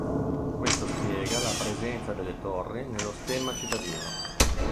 Questo spiega la presenza delle torri nello stemma cittadino.